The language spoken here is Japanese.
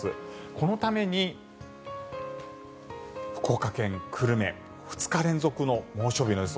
このために福岡県久留米２日連続の猛暑日の予想。